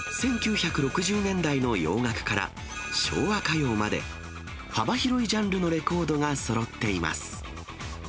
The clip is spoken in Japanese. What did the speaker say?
１９６０年代の洋楽から、昭和歌謡まで、幅広いジャンルのレコードがそろっています。